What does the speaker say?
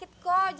jadi aku mau pergi